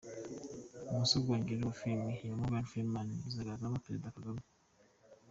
Umusogongero wa filime ya Morgan Freeman izagaragaramo Perezida Kagame.